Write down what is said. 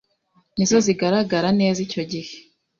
ni zo zigaragara neza icyo gihe